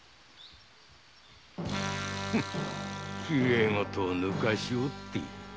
きれいごとをぬかしおって。